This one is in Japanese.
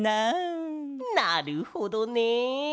なるほどね。